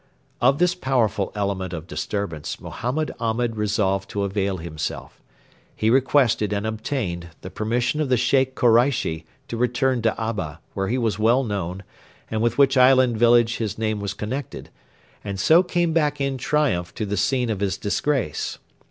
Of this powerful element of disturbance Mohammed Ahmed resolved to avail himself. He requested and obtained the permission of the Sheikh Koreishi to return to Abba, where he was well known, and with which island village his name was connected, and so came back in triumph to the scene of his disgrace.